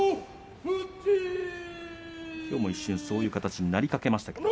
きょうも一瞬、そういう形になりかけました。